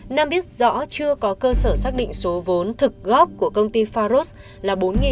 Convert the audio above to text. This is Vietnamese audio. nam biết rõ chưa có cơ sở xác định số vốn thực góp của công ty pharos là bốn mươi bốn